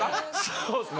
そうっすね。